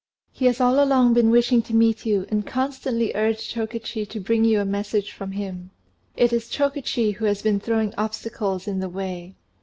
He has all along been wishing to meet you, and constantly urged Chokichi to bring you a message from him. It is Chokichi who has been throwing obstacles in the way.